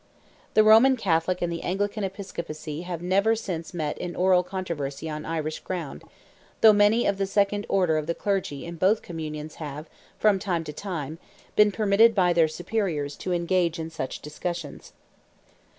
The Roman Catholic and the Anglican Episcopacy have never since met in oral controversy on Irish ground, though many of the second order of the clergy in both communions have, from time to time, been permitted by their superiors to engage in such discussions.